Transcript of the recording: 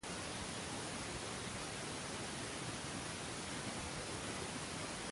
Fue comerciante, y agricultor, trabajando en el fundo "Los Tamarindos".